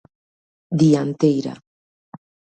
Dianteira.